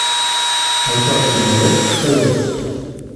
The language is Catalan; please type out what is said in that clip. Al porc i al meló, calor.